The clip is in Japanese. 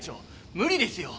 無理ですよ！